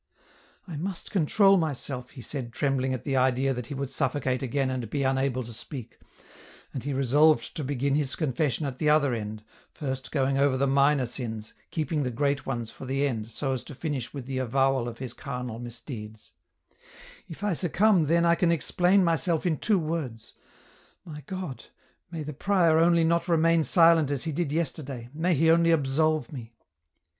" I must control myself," he said, trembling at the idea that he would suffocate again and be unable to speak ; and he resolved to begin his confession at the other end, first going over the minor sins, keeping the great ones for the end so as to finish with the avowal of his carnal misdeeds :" if I EN ROUTE. 191 succumb then I can explain myself in two words. My God ! may the prior only not remain silent as he did yesterday, may he only absolve me